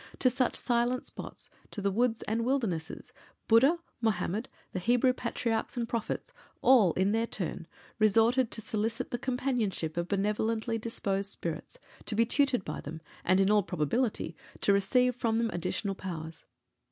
To such silent spots to the woods and wildernesses Buddha, Mohammed, the Hebrew Patriarchs and Prophets, all, in their turn, resorted, to solicit the companionship of benevolently disposed spirits, to be tutored by them, and, in all probability, to receive from them additional powers.